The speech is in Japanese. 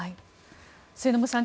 末延さん